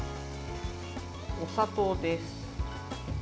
お砂糖です。